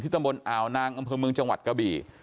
ที่ตำบลอาวนางกำพื้นเมืองจังหวัดกะบี่